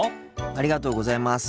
ありがとうございます。